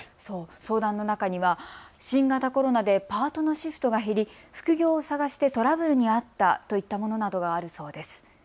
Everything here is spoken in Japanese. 相談の中には新型コロナでパートのシフトが減り副業を探してトラブルに遭ったといったものなどがあったそうです。